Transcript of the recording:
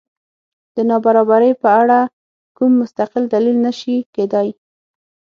دا د نابرابرۍ په اړه کوم مستقل دلیل نه شي کېدای.